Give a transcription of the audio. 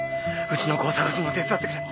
うちの子を捜すのを手伝ってくれ。